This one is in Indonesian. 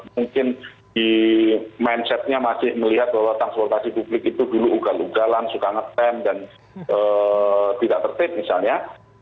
mungkin di mindsetnya masih melihat bahwa transportasi publik itu dulu ugal ugalan suka ngetem dan tidak tertib misalnya